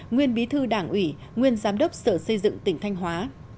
nguyên bí thư đảng ủy nguyên giám đốc sở xây dựng tỉnh thanh hóa